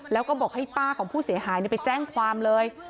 แล้วก็บอกให้ป้าของผู้เสียหายไปแจ้งความเลย